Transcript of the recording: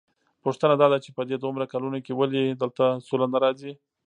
پوښتنه داده چې په دې دومره کلونو کې ولې دلته سوله نه راځي؟